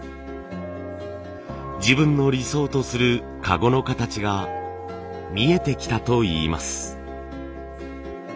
自分の理想とする籠の形が見えてきたといいます。